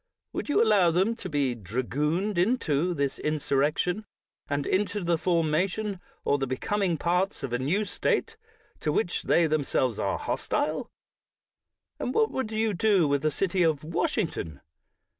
Would you allow them to be dragooned into this insurrection, and into the formation or the becoming parts of a new State, to which they themselves are hostile? And what would you do with the City of Wash ington?